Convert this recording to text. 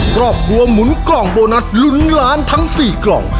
ครอบครัวหมุนกล่องโบนัสลุ้นล้านทั้ง๔กล่อง